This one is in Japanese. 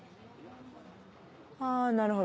あなるほど。